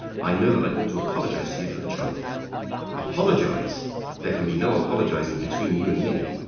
I know that I ought to apologise to you for the trouble." "Apologise! There can be no apologising between you and me.